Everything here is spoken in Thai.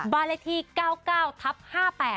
บาลดิที่๙๙ทับ๕๘ค่ะ